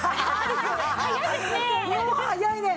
早いね！